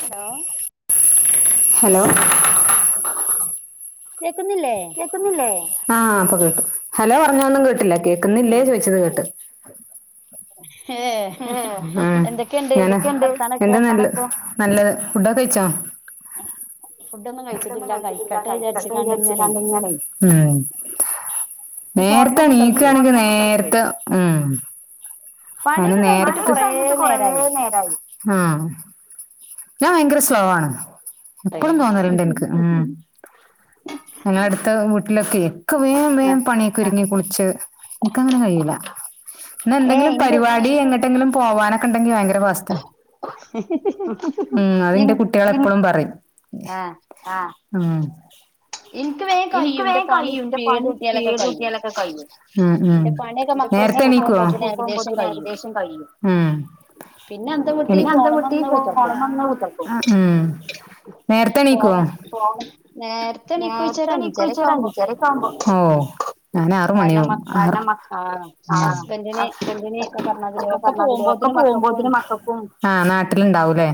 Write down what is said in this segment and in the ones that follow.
Hello hello കേക്കുന്നില്ലേ കേക്ക്ന്നില്ലേ ആഹ് ഇപ്പൊ കേട്ടു ഹലോ പറഞ്ഞതൊന്നും കേട്ടില്ലാ കേക്കുന്നില്ലേ ചോദിച്ചത് കേട്ട് ഏഹ് ഏഹ് ഏഹ് ഇങ്ങനെ എന്താ ന നല്ലത് ഫുഡൊക്കെ കഴിച്ചോ [unintelligible] കഴിച്ചിട്ടില്ലാ കഴിച്ചട്ടെ വിചാരിച്ചിങ്ങാണ്ട് ഇങ്ങനെ ഉം നേരെത്തെണീക്കാണെങ്കി നേരത്തെ ഉം ആന്നെ നേരത്ത് പണിയൊക്കെ കഴിഞ്ഞിട്ട് കൊറെ നേരായി ഞാൻ ഭയങ്കര സ്ലോ ആണ് എപ്പളും തോന്നല്ണ്ട് എൻക്ക് ഉം ഞങ്ങളെ അടുത്ത വീട്ടിലൊക്കെ ക്കെ വേം വേം പണിയൊക്കെ ഒരുങ്ങി കുളിച്ച് ഇൻക്കങ്ങനെ കയ്യൂല്ലാ ഇന്നാ എന്തെങ്കിലും പരിപാടി എങ്ങട്ടെങ്കിലും പോവാനൊക്കെ ഇണ്ടെങ്കി ഭയങ്കര ഫാസ് ഉം അതിന്റെ കുട്ട്യാള് എപ്പഴും പറയും ഉം ആഹ് ഇൻക്ക് വേം കയ്യും ഇന്റെ പണി സ്പീഡ് കൂട്ടിയാലൊക്കെ കയ്യും നേരത്തെ എണീക്കോ സ്‌കൂൾ പോമ്പോത്തേക്ക് ഏകദേശം കയ്യും ഉം എണി പിന്നെ [unintelligible] ഈ ഫോ ഫോണമ്മെങ്ങനെ ഇങ്ങനെ കുത്തിർക്കും നേരത്തെണീക്കോ ഉം ത്തെണീക്കോ ചോയിച്ചാ ഒരു അഞ്ചരക്കാവുമ്പം ഞാനാറ് മണിയാവും ആഹ് ഹസ്ബൻഡിന് [unintelligible] [unintelligible] ഒക്കെ പോവുമ്പോത്തന് മക്കക്കും ആഹ് നാട്ടില്ണ്ടാവൂല്ലേ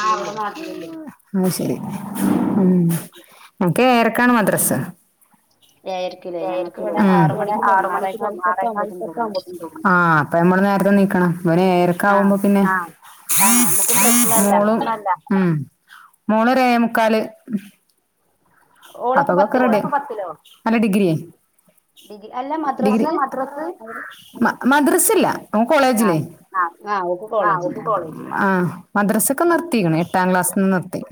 ആ ഇവിടെ നാട്ടില്ണ്ട് അത് ശരി ഉം എൻക്കേഴരക്കാണ് മദ്രസ്സാ ഏഴരെക്ക്ലേ ആഹ് [unintelligible] ഇവിടെ ആറ് മണിക്ക് തൊടങ്ങും ആറേക്കാലെ [unintelligible] ആഹ് അപ്പ ഞമ്മള് നേരത്തെണീക്കണം ഓനെഴരക്ക് ക്കാവുമ്പോ പിന്നെ ആഹ് മോളും ഉം മോളൊരു ഏഴേമുക്കാല് അപ്പക്കൊക്കെ റെഡി മോളേതാ പത്തിലോ അല്ല ഡിഗ്രിയെ ഡിഗ്രി മദ്രസ്സ് മ മദ്രസല്ല ഓൻ കോളേജിലേ ആഹ് ആഹ് അവര്ക്ക് കോളേജ് മ ആഹ് മദ്രസ്സ് ക്കെ നിർത്തിക്കണ് എട്ടാം ക്ലാസ്സില് നിർത്തി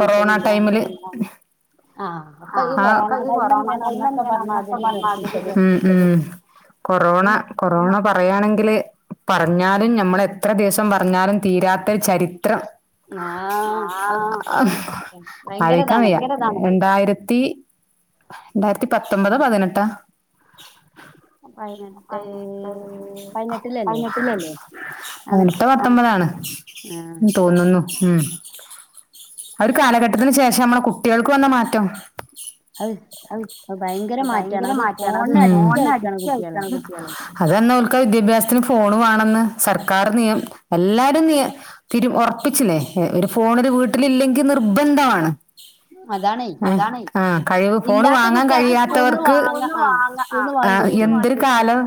കൊറോണ ടൈമില് ആഹ് കൊറോണ ടൈമെന്നെയാണ് ഉം ഉം കൊറോണ കൊറോണ പറയാണെങ്കില് പറഞ്ഞാലും ഞമ്മള് എത്ര ദിവസം പറഞ്ഞാലും തീരാത്തൊരു ചരിത്രം ആലോയിക്കാൻ വയ്യാ രണ്ടായിരത്തി രണ്ടായിരത്തി പത്തൊമ്പതോ പതിനെട്ടാ പതിനെട്ട് പതിനെട്ടിലല്ലെ പതിനെട്ടോ പത്തൊമ്പതോ ആണ് തോനുന്നു ഉം ആ ഒര് കാലഘട്ടത്തിന് ശേഷം നമ്മളെ കുട്ടികൾക്ക് വന്ന മാറ്റം അത് അത് ഭയങ്കര മാറ്റാണ് ഉം അത് ഫോണിന് അഡിക്റ്റായിറ്റാണ് അത് തെന്നെ ഓൽക്കാ വിദ്യാഭ്യാസത്തിന് ഫോണ് വേണെന്ന് സർക്കാർ നിയം എല്ലാരും നിയ തിരു ഒറപ്പിച്ചില്ലേ ഒരു ഫോണ് ഒരു വീട്ടിലില്ലെങ്കിൽ നിർബന്ധമാണ് അതാണേ ആഹ് കഴിവ് ഫോണ് വാങ്ങൻ കഴിയാത്തവർക്ക് ആഹ് എന്തൊരു കാലം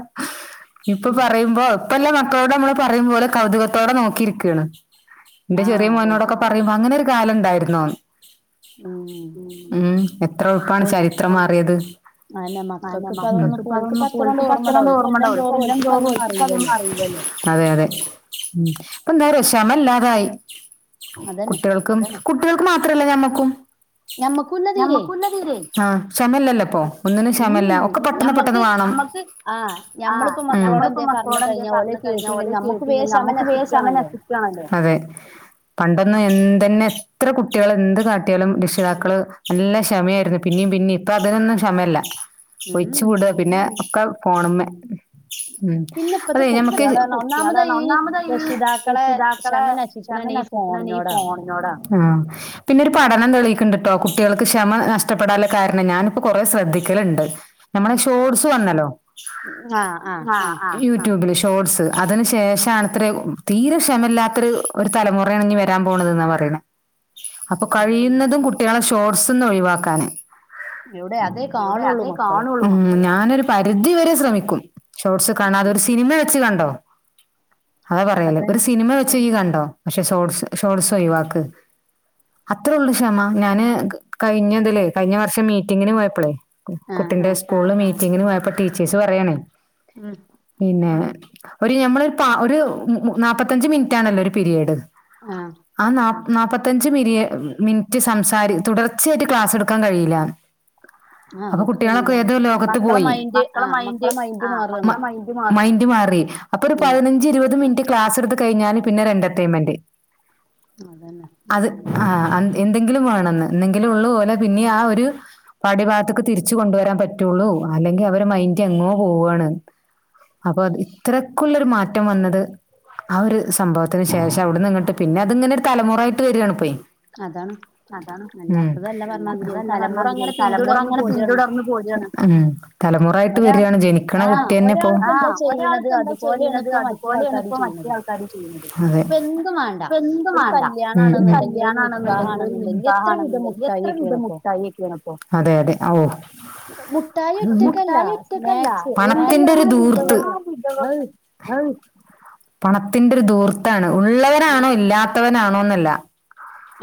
ഇപ്പൊ പറയുമ്പോ ഇപ്പല്ലെ മക്കളോടെ നമ്മള് പറയും പോലെ കൗതുകത്തോടെ നോക്കിയിരിക്കാണ് ഇന്റെ ചെറിയ മോനോടൊക്കെ പറയുമ്പോ അങ്ങനെ ഒരു കാലം ഇണ്ടായിരുന്നോന്ന്. ഉം എത്ര എളുപ്പാണ് ചരിത്രം മാറിയത്. അയന്നെ മക്കൾക്ക് ഇപ്പതൊന്നും ഇപോൽക്ക്പ്പോ അത്രണ്ട് ഓർമണ്ടാകൂല ഇപ്പൊ എല്ലം ജോലി ഓല്ക്ക് പ്പോ അതൊന്നും അറിയില്ലല്ലോ അതെ അതെ ഉം ഇപ്പ എന്താറ്യോ ക്ഷമല്ലാതായി കുട്ടിയൾ ക്കും കുട്ടിയേൾക്ക് മാത്രല്ല ഞമ്മക്കും. ഞമ്മക് ഞമ്മക്കും ഇല്ല തീരെയ് ആഹ് ക്ഷമല്ലല്ലൊ ഇപ്പൊ ഒന്നിനും ക്ഷമല്ല ഒക്കെ പെട്ടെന്ന് പെട്ടെന്ന് വേണം ഞമ്മക്ക് ആഹ് നമ്മള്പ്പം മക്കളോട് എന്ത്യേ പറഞ്ഞു കഴിഞ്ഞ ഓല് അത് കേട്ടില്ലെങ്കി നമ്മുക്ക് വേം ക്ഷമ നശി [unintelligible] അതെ പണ്ടന്ന് എന്തന്നെ എത്ര കുട്ടിയേള് എന്ത് കാട്ടിയാലും രക്ഷിതാക്കള് നല്ല ക്ഷമയായിരുന്നു. പിന്നെയും പിന്നെ ഇപ്പ അതിനൊന്നും ക്ഷമല്ല. ഒഴിച്ചു വിട പിന്നെ ഒക്കെ ഫോണ്‌മ്മെ ഉം അതെ ഞമ്മക്ക് ഇപ്പത്തെ കുട്ടിയേള് പറഞ്ഞ ഒന്നാമത് അത് ഈ രക്ഷിതാക്കളെ ക്ഷമ നശി [unintelligible] അന്നെ ഈ ഫോണിനോട പിന്നെ ഒരു പഠനം തെളിയിക്ക്ണ്ട്ട്ടോ. കുട്ടിയേൾക്ക് ക്ഷമ നഷ്ടപ്പെടാനുള്ള കാരണം ഞാനിപ്പ കുറേ ശ്രദ്ധിക്കലുണ്ട്. നമ്മടെ ഷോർട്സ് വന്നല്ലോ. ആഹ് ആഹ് യൂട്യൂബില് ഷോർട്സ് അതിന് ശേഷ ആണത്ര തീരെ ക്ഷമല്ലാത്തൊരു തലമുറയാണ് ഇനി വരാൻ പോണതെന്ന പറീണെ അപ്പൊ കഴിയുന്നതും കുട്ടിയേളെ ഷോർട്സിന്ന് ഒഴിവാക്കാന് ഇവിടെ അതെ കാണുള്ളൂ. ഉം ഞാനൊരു പരിധി വരെ ശ്രമിക്കും. ഷോർട്സ് കാണാതെ ഒരു സിനിമ വെച്ച് കണ്ടോ അത് പറയല്ലേ ഒരു സിനിമ വെ ചെയ് കണ്ടോ പക്ഷെ ഷോര്ട്സ് ഷോർട്സ് ഒഴിവാക്ക് അത്രേ ഉള്ളൂ ക്ഷമ ഞാന് കഴിഞ്ഞതിലേ കഴിഞ്ഞ വർഷം മീറ്റിങ്ങിന് പോയപ്പളെ കുട്ടിന്റെ സ്കു സ്കൂളില് മീറ്റിങ്ങിനു പോയപ്പോ ടീച്ചേഴ്സ് പറയാണേ. ഉം പിന്നെ ഒരു ഞമ്മള് ഒരു പാ ഒരു നാപ്പത്തഞ്ച് മിനിറ്റാണല്ലോ ഒരു പീരീഡ്. ആഹ് ആ നാ നാപ്പത്തഞ്ച് പിരിയേ മിനിറ്റ് സംസാരി തുടർച്ചയായിട്ട് ക്ലാസ് എടുക്കാൻ കഴിയില്ലാന്ന് അപ്പൊ കുട്ടിയേളൊക്കെ ഏത് ലോകത്ത് പോയി മക്കളെ മൈന്റ് ആഹ് മക്കള മൈൻ മൈന്റ് മാറി അപ്പൊ ഒരു പതിനഞ്ച് ഇരുപത് മിനിറ്റ് ക്ലാസ് എടുത്തു കഴിഞ്ഞാല് പിന്നെ ഒരു എന്റർടൈമെന്റ്. അതന്നെ അത് ആഹ് അ എന്തെങ്കിലും വേണെന്ന് ഇന്നങ്കിലൊള്ളു ഓലെ പിന്നിം ആ ഒരു. പാഠ്യഭാഗത്ത്ക്ക് തിരിച്ച് കൊണ്ടുവരാൻ പറ്റുള്ളൂ. അല്ലെങ്കിൽ അവരെ മൈൻഡ് എങ്ങോ പോവാണ്. അപ്പൊ അത് ഇത്രക്കുള്ളൊരു മാറ്റം വന്നത്. ആ ഒരു സംഭവത്തിന് ശേഷം അവിടെന്ന് ഇങ്ങട്ട് പിന്നെ അതിങ്ങനെ ഒരു തലമുറ ആയിട്ട് വരാണ് ഇപ്പെ അതാണ് ഉം ഇല്ലാത്തതല്ല പറഞ്ഞാതിര്യയ് തലമുറ അങ്ങനെ പിന്തുടർന്ന് പോരാണ്. തലമുറ ആയിട്ട് വരാണ് ജനിക്കണ കുട്ടിയന്നെ ഇപ്പോ ആഹ് ഒരാള് ഇപ്പൊ എന്താ ചെയ്യണത് അത് പോലെ ആണ് ഇപ്പോ മറ്റേ ആൾക്കാരും ചെയ്യുന്നത്. അതെ ഇപ്പ എന്തും മാണ്ട ഉം ഉം കല്യാണം ആണെന്നുണ്ടെങ്കിലും ഒരു നിക്കാക്ക് ആണെന്ന് ഉണ്ടങ്കിൽ എത്ര വിധം മുഠായിക്കെയാണിപ്പോ അതെ അതെ ഹാവൂ അഹ് ഠായി ഒറ്റക്കല്ല പണത്തിന്റെ ഒരു ധൂർത്ത് അഹ് പണത്തിന്റെ ഒരു ദൂർത്താണ്. ഉള്ളവനാണോ ഇല്ലാത്തവനാണോന്നില്ല.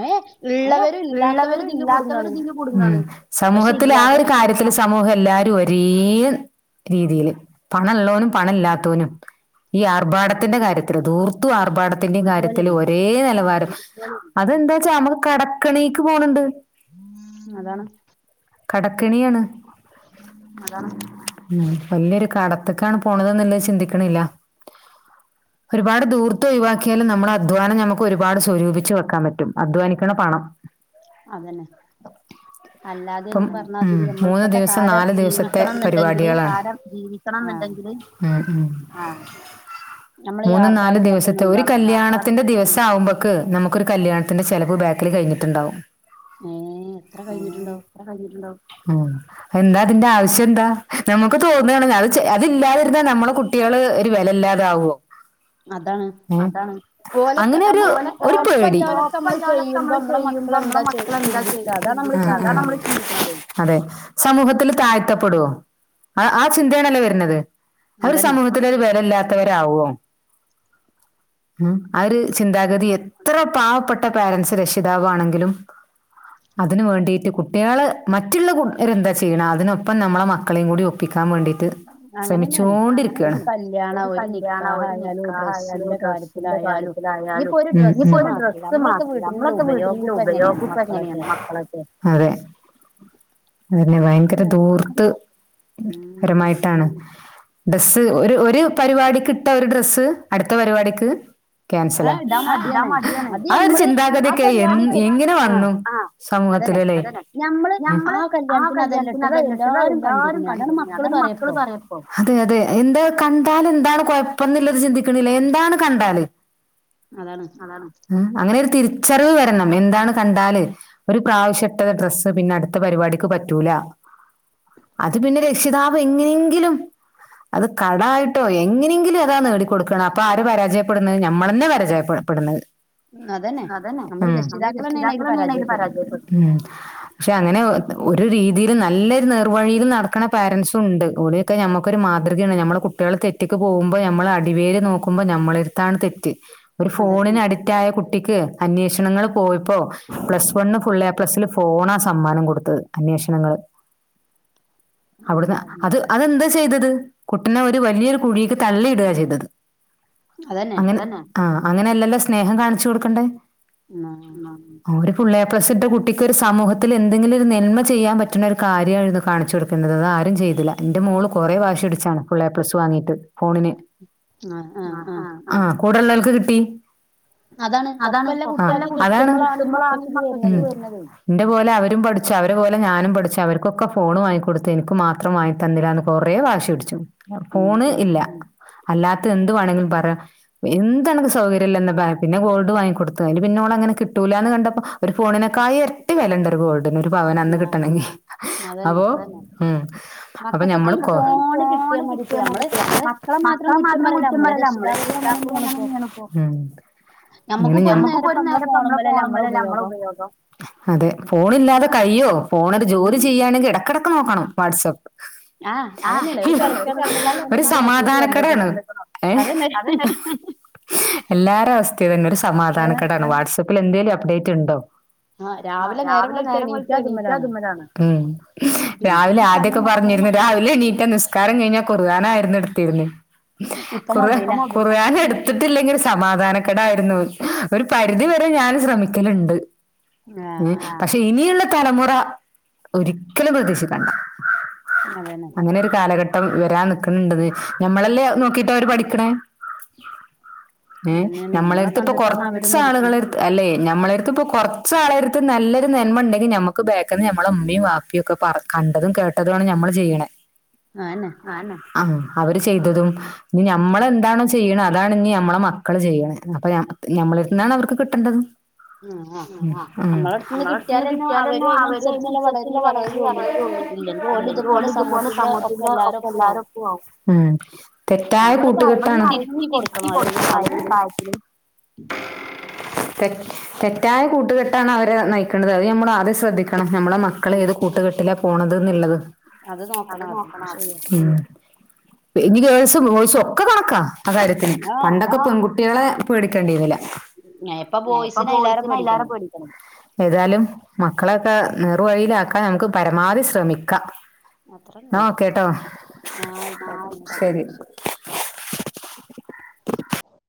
ഏഹ് ഏ ഉള്ളവരും ഇല്ലാത്തവരും ഇതിന് കുടുങ്ങാണ് സമൂഹത്തിലെ ആ ഒരു കാര്യത്തി ചില സമൂഹം എല്ലാരും ഒരേ രീതിയില് പണം എള്ളോനും പണം ഇല്ലാത്തോനും. ഈ ആർഭാടത്തിന്റെ കാര്യത്തില് ധൂർത്തു ആർഭാടത്തിന്റെ കാര്യത്തില് ഒരേ ഒരേ നിലപാട് അത് എന്ത് വെച്ചാ നമ്മക്ക് കടക്കണിക്ക് പോണണ്ട്. അതാണ്. കടക്കെണിയാണ്. അതാണ് ഉം വലിയൊരു കടത്ത്ക്കാണ് പോണതെന്ന് ചിന്തിക്ക്‌ണില്ല ഒരുപാട് ദൂർ- ധൂർത്ത് ഒഴിവാക്കിയാലും നമ്മുടെ അധ്വാനം നമുക്ക് ഒരുപാട് സ്വരൂപിച്ച് വെക്കാൻ പറ്റും അധ്വാനിക്ക്‌ണ പണം അതന്നെ ഇപ്പം ഉം മൂന്ന് ദിവസം നാല് ദിവസത്തെ പരിപാടികളാണ് ണ്ടെങ്കില് ഉം ഉം ആഹ് മൂന്നും നാലും ദിവസത്തെ ഒരു കല്യാണ- ത്തിന്റെ ദിവസം ആവുമ്പൊക്ക് നമുക്കൊരു കല്യാണത്തിന്റെ ചിലവ് ബാക്കിൽ കഴിഞ്ഞിട്ടുണ്ടാവും. ആ എത്ര കയ്ഞ്ഞിട്ടുണ്ടാകും ഉം എന്താ അതിന്റെ ആവശ്യം എന്താ നമുക്ക് തോന്നാണ് അത് ഇല്ലാതിരുന്ന നമ്മുടെ കുട്ടികൾ- കുട്ടികള് ഒരു വില ഇല്ലാതാവുമോ അതാണ് അങ്ങനെ ഒരു ഒരു പേടി [inaudible] ഓപ്പള്ളവർ ചെയ്യുമ്പോ നമ്മളെ മക്കളെന്താ ചിന്തിക്ക അതാണ് നമ്മൾ [inaudible] അതെ സമൂഹത്തി താഴ്ത്തപ്പെടുവോ ആ ആ ചിന്തയാണല്ലേ വരുന്നത് അവര് സമൂഹത്തില് ഒരു വിലയില്ലാത്തവരാവോ ഉ ആഹ് ഒരു ചിന്താഗതി എത്ര പാവപ്പെട്ട പാരന്റ്സ് രക്ഷിതാവ് ആണെങ്കിലും [unintelligible] അതിന് വേണ്ടിയിട്ട് കുട്ടികൾ മറ്റുള്ളവർ എന്താ ചെയ്യണേ അതിനൊപ്പം നമ്മളെ മക്കളെയും കൂടി ഒപ്പിക്കാൻ വേണ്ടിട്ട് അത് ശ്രമിച്ചുകൊണ്ടിരിക്കയാണ് ഒരു കല്യാണം ഒരു നിക്കാഹ ആയാലും ഒരു ഡ്രസ്സ്- ന്റെ കാര്യത്തിൽ ആയാലും ഇനിപ്പോ ഒരു ഡ്രസ്സ് മാത്ര- നമ്മളക്കെ വീട്ടിലെ ഉപയോഗം എങ്ങനെയാണ് മക്കളൊക്കെ അതെ അതെ ഭയങ്കര ദൂർത്ത് പരമായി ട്ടാണ് ഡ്രസ് ഒരു പരിപാടിക്ക് ഇട്ട ഒരു ഡ്രസ്സ് അടുത്ത പരിപാടിക്ക് ക്യാൻസലാ ആഹ് ഒരു [unintelligible] ചിന്താഗതിക്കെ എങ്ങനെ വന്നു സമൂഹത്തില് ല്ലേ ആഹ് നമ്മൾ ആ കല്യാണത്തിന് അതെല്ല ഇട്ടത് അത് എല്ലാവരും കണ്ട്ക്ക്‌ണ് അതാണ് മക്കള് പറയ അതെ അതെ എന്താ കണ്ടാൽ എന്താണ് കൊഴപ്പന്നില്ലത് ചിന്തിക്കണില്ലേ എന്താണ് കണ്ടാല് അങ്ങനെരു തിരിച്ചറിവ് വരണം എന്താണ് കണ്ടാല് ഒരു പ്രാവശ്യട്ട ഡ്രസ്സ് പിന്നെ അടുത്ത പരിപാടിക്ക് പറ്റൂല അത് പിന്നെ രക്ഷിതാവ് എങ്ങനെങ്കിലും അത് കടായിട്ടോ എങ്ങനെങ്കിലും അതാ നേടി കൊടുക്കണ അപ്പൊ ആര് പരാജയപ്പെടുന്നത് ഞമ്മൾ തന്നെ പരാജയപ്പെടുന്നെ പെടുണത് അതന്നെ നമ്മള് രക്ഷിതാക്കൾന്നെയ അതില് പരാജയപ്പെടുന്നത് പക്ഷെ അങ്ങനെ ഒരു രീതിയിലും നല്ലൊരു നേർവഴിയിലും നടക്കണ പാരന്റ്സും ഉണ്ട് ക്കെ നമ്മുക്കൊരു മാതൃകയാണ് നമ്മളെ കുട്ടികൾ തെറ്റിക്ക് പോകുമ്പോ നമ്മൾ അടിവേര് നോക്കുമ്പോ നമ്മളെടുത്താണ് തെറ്റ് ഒരു ഫോണിനഡിറ്റ്‌ ആയ കുട്ടിക്ക് അന്വേഷണങ്ങൾ പോയപ്പോ പ്ലസ് വണ് ഫുള്ള് എ പ്ലസില് ഫോണാ സമ്മാനം കൊടുത്തത് അന്വേഷണങ്ങൾ അവിടുന്ന് അത് അതെന്താ ചെയ്തത് കുട്ടിനെ ഒരു വലിയൊരു കുഴിക്ക് തള്ളിടുക ചെയ്തത് അങ്ങനെ തന്നെ അങ്ങനെ അല്ലല്ലോ സ്നേഹം കാണിച്ചു കൊടുക്കണ്ടേ. ഒരു ഫുള്ള് എ പ്ലസ് കിട്ട കുട്ടിക്ക് ഒരു സമൂഹത്തില് എന്തെങ്കിലും ഒരു നന്മ ചെയ്യാൻ പറ്റണ ഒരു കാര്യായി ഇത് കാണിച്ചു കൊടു [unintelligible] അത് ആരും ചെയ്തില്ല. എന്റെ മോള് കുറേ വാശി പിടിച്ചാണ് ഫുൾ എ പ്ലസ് വാങ്ങീട്ട് ഫോണിന്. [inaudible] ആഹ് ആ. ആ കൂടെള്ളവൾക്ക് കിട്ടി. അതാണ് ഒപ്പമുള്ള കുട്ടിക്ക്, അതാണ്‌ കിട്ടുമ്പോളാണ് മക്കൾകിത് വരുന്നതേ. ന്റെ പോലെ അവരും പഠിച്ച, അവരെ പോലെ ഞാനും പഠിച്ച അവർക്കൊക്കെ ഫോണ് വാങ്ങി കൊടുത്തേന്. എനിക്ക് മാത്രം വാങ്ങി, തന്നില്ലാന്ന് കൊറേ വാശി പിടിച്ചു. ഫോണ് ഇല്ല അല്ലാത്ത എന്ത് വേണെങ്കിലും പറയാം, എന്തണങ്കില് സൗകര്യംല്ലന്ന തായി. പിന്ന ഗോൾഡ് വാങ്ങി കൊടുത്തു. അതിന് പിന്നോള് അങ്ങനെ കിട്ടൂല്ല എന്ന് കണ്ടപ്പോ ഒരു ഫോണിനക്കായി എരട്ടി വിലണ്ട് ഒരു ഗോൾഡ് ന് ഒരു പവൻ അന്ന് കിട്ടണെങ്കി. അപ്പൊ ഉം അപ്പൊ ഞമ്മള് കോ, ഒരു ഫോണ് കിട്ടിയാ മതി [unintelligible] ക്ക്. മക്കളെ മാത്രം കുറ്റം പറല്ല, നമ്മള് രക്ഷിതാക്കളും അങ്ങനന്നേണ്പ്പോ. ഉം ഞ നമ്മക്കിപ്പോ ഒരു നേരത്ത് നമ്മള ഫോണ്മലെല്ലേ നമ്മള ഉപയോഗം. അതെ ഫോണില്ലാതെ കഴിയോ. ഫോണ് ഒരു ജോലി ചെയ്യുകയാണെങ്കി എടക്കടക്ക് നോക്കണം വാട്സപ്പ്. [inaudible] ആ ഒരു സമാധാനക്കെടാണ്. ഏഹ് അതെന്നെ. എല്ലാരെ അവസ്ഥ ഇതന്നെ. ഒരു സമാധാന കേടാണ് വാട്സപ്പിൽ എന്തെലും അപ്ഡേറ്റ് ഉണ്ടോ. ആ രാവിലെ നേരം വെള്ത്ത ഏണിറ്റാതമ്മലാണ്. രാവിലെ ആദ്യൊക്കെ പറഞ്ഞിരുന്നെ രാവിലെ എണീറ്റ നിസ്കാരം കഴിഞ്ഞാ കുറാനായിരുന്നു എടുത്തിരുന്നെ. കുറ കുറയാന എടുത്തി ത്തില്ലെങ്കില് സമാധാനക്കേടായിരുന്നു. ഒരു പരിധി വരെ ഞാനും ശ്രമിക്കല്ണ്ട്. ഉം പക്ഷെ ഇനിയുള്ള തലമുറ ഒരിക്കലും പ്രതീക്ഷിക്കണ്ട. അങ്ങനെ ഒരു കാലഘട്ടം വരാനിക്കണണ്ടതെ. ഞമ്മളല്ലേ നോക്കിട്ട് അവര് പഠിക്കണേ. ഏഹ് നമ്മളെടുത്ത് ഇപ്പൊ കൊറച്ച് ആളുകളെടു അല്ലെ ഞമ്മളുടെ അടുത്ത് ഇപ്പൊ കൊറച്ച ആളെടുത്ത് നല്ലൊരു നന്മ ഉണ്ടെങ്കി ഞമ്മക്ക് ബാക്ക്ന്ന് നമ്മളെ ഉമ്മേം ബാ പ്പിയ ഒക്കെ പറ കണ്ടതും കേട്ടതും ആണ് ഞമ്മള് ചെയ്യണേ. ആന്നെ. ആന്നെ. ആ അവര് ചെയ്തതും ഇനി ഞമ്മള് എന്താണോ ചെയ്യണെ, അതാണ് ഇഞ് ഞമ്മളെ മക്കള് ചെയ്യണെ. ന്നിപ്പെ ഞമ്മളിര്ന്നാണ് അവർക്ക് കിട്ടേണ്ടത്. ഉം ആ ഉം നമ്മള അടുത്ത്ന്ന് കിട്ടിയാ തന്നെ അവര് അതിനനുസരിച്ചുള്ള വളര് വളരോളു. ഇല്ലെങ്കി ഓല് ഇതുപോലെ സമൂഹത്തിന്റെ ഒപ്പ എല്ലാരും ഒപ്പാവും. തെറ്റായ കൂട്ടുകെട്ടാണ്, പറഞ്ഞ് തിരിത്തി കൊടുക്കണം [unintelligible] തെറ്റ് തെറ്റായ കൂട്ടുകെട്ടാണ് അവരെ നയിക്കണത് അത് ഞമ്മള് ആദ്യ ശ്രദ്ധിക്കണം. ആഹ് ഞമ്മള മക്കള് ഏത് കൂട്ടുകെട്ടിലാ പോണത് എന്ന്ള്ളത്. അത് നോക്കണം ആദ്യം. ജോലി. ഉം ഇനി ഗേൾസും ബോയ്സും ഒക്കെ കണക്കാ ആ കാര്യത്തിന്. പണ്ടൊക്കെ പെൺകുട്ടികളെ പേടിക്കേണ്ടിരിന്നീല്ല. ഇപ്പ ബോയ്സിനെ [unintelligible] പേടിക്കണം. ഏതാലും മക്കളൊക്കെ നേർവഴിയിലാക്കാൻ നമുക്ക് പരമാവധി ശ്രമിക്കാ. അത്രന്നെ ഉള്ളൂ. ആയിക്കോട്ടേ ന്ന ശരി [inaudible]